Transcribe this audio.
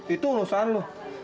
itu urusan lu